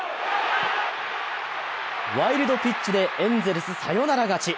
ワイルドピッチでエンゼルスサヨナラ勝ち。